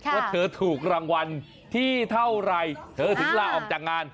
ว่าเธอถูกรางวัลที่เท่าไหร่เธอถึงลาออกจากงาน